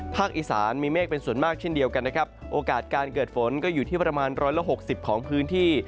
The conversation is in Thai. อีสานมีเมฆเป็นส่วนมากเช่นเดียวกันนะครับโอกาสการเกิดฝนก็อยู่ที่ประมาณร้อยละหกสิบของพื้นที่